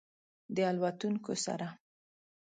د الوتونکو سره